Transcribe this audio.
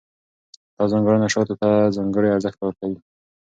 دا ځانګړنه شاتو ته ځانګړی ارزښت ورکوي.